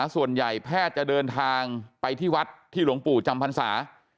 ส่วนใหญ่แพทย์จะเดินทางไปที่วัดที่ลงปู่จำพันศา